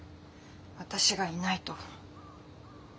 私がいないと。